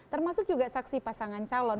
termasuk juga saksi pasangan calon